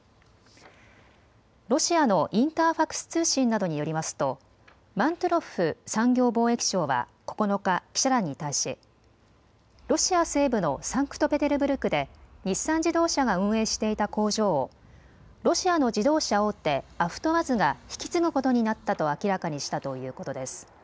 ロシアのインターファクス通信などによりますとマントゥロフ産業貿易相は９日、記者団に対しロシア西部のサンクトペテルブルクで日産自動車が運営していた工場をロシアの自動車大手、アフトワズが引き継ぐことになったと明らかにしたということです。